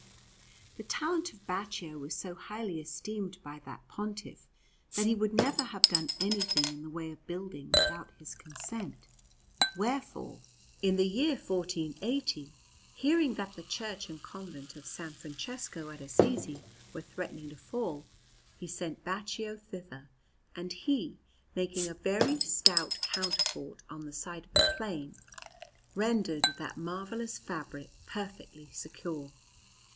The talent of Baccio was so highly esteemed by that Pontiff, that he would never have done anything in the way of building without his counsel; wherefore, in the year 1480, hearing that the Church and Convent of S. Francesco at Assisi were threatening to fall, he sent Baccio thither; and he, making a very stout counterfort on the side of the plain, rendered that marvellous fabric perfectly secure.